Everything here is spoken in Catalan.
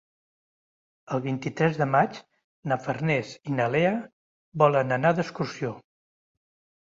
El vint-i-tres de maig na Farners i na Lea volen anar d'excursió.